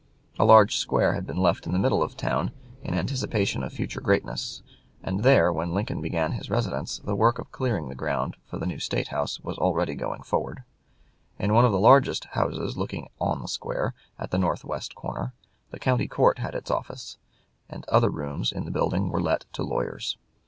A large square had been left in the middle of the town, in anticipation of future greatness, and there, when Lincoln began his residence, the work of clearing the ground for the new State house was already going forward. In one of the largest houses looking on the square, at the north west corner, the county court had its offices, and other rooms in the building were let to lawyers.